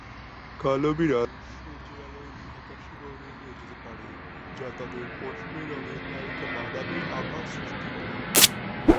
কালো বিড়াল সূর্যের আলোয় "ফ্যাকাশে" বর্ণের হয়ে যেতে পারে, যা তাদের পশমের রঙে হালকা বাদামি আভা সৃষ্টি করে।